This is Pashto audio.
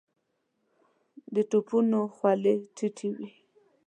د توپونو خولې ټيټې وې.